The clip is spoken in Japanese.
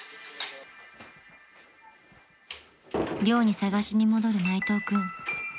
［寮に捜しに戻る内藤君］